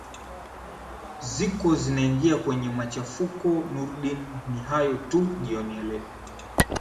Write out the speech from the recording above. ziko zinaingia kwenye machafuko nurdin ni hayo tu jioni ya leo